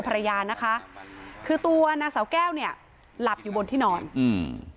ภรรยานะคะคือตัวนางสาวแก้วเนี้ยหลับอยู่บนที่นอนอืม